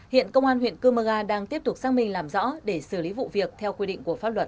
hiện công an huyện cơ mơ ga đang tiếp tục xác minh làm rõ để xử lý vụ việc theo quy định của pháp luật